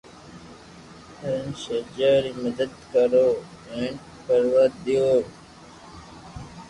ھين شيجا ري مدد ڪرو ھين ڪروا ديئو